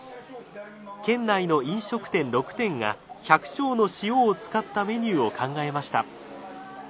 県内の飲食店６店が百笑の塩を使ったメニューを考えました。